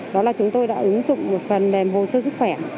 đó là chúng tôi đã ứng dụng một phần mềm hồ sơ sức khỏe